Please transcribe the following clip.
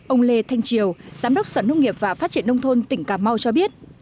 ông lê thanh triều giám đốc sở nông nghiệp và phát triển nông thôn tỉnh cà mau cho biết